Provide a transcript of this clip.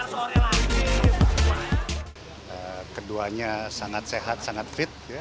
hai teman teman foto dulu